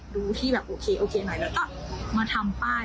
ดูที่โอเคหน่อยแล้วก็มาทำป้าย